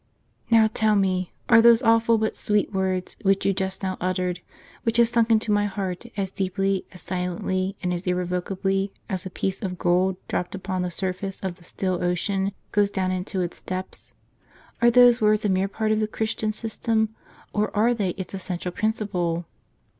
" Now tell me, are those awful, but sweet words, which you just now uttered, which have sunk into my heart as deeply, as silently, and as irrevocably as a piece of gold dropped upon the surface of the still ocean goes down into its depths, — are those w^ords a mere part of the Christian system, or are they its essential principle